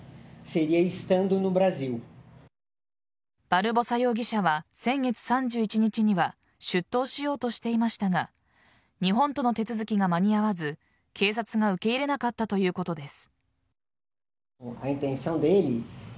バルボサ容疑者は先月３１日には出頭しようとしていましたが日本との手続きが間に合わず警察が受け入れなかったということです。